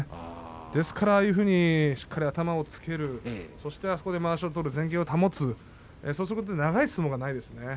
ですから、ああいうふうにしっかり頭をつけるまわしを取る、前傾を保つそういうことによって長い相撲がないですよね。